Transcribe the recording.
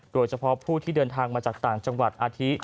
โดยเฉพาะผู้ที่เดินทางมาจากต่างจังหวัดอาทิ